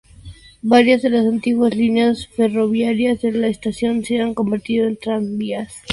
Varias de las antiguas líneas ferroviarias de la estación se han convertido en tranvías.